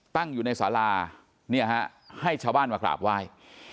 ตั้งอยู่ในสาราเนี่ยฮะให้ชาวบ้านมากราบไหว้